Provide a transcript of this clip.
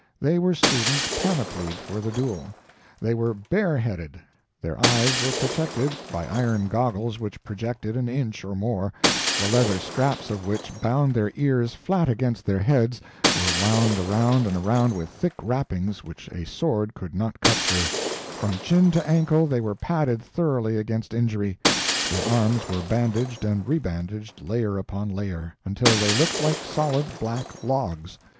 They were students panoplied for the duel. They were bareheaded; their eyes were protected by iron goggles which projected an inch or more, the leather straps of which bound their ears flat against their heads were wound around and around with thick wrappings which a sword could not cut through; from chin to ankle they were padded thoroughly against injury; their arms were bandaged and rebandaged, layer upon layer, until they looked like solid black logs.